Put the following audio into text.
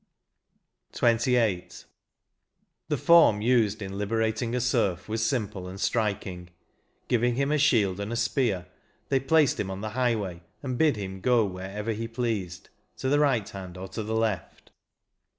56 XXVIII. The form used in liberating a serf was simple and striking ; giving him a shield and spear, they placed him on the highway, and bid him go wherever he pleased, to the right hand or to the left.